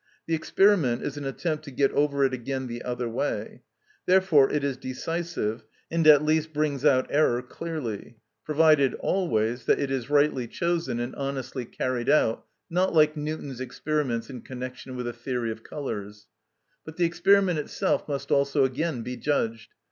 The experiment is an attempt to go over it again the other way; therefore it is decisive, and at least brings out error clearly; provided always that it is rightly chosen and honestly carried out; not like Newton's experiments in connection with the theory of colours. But the experiment itself must also again be judged.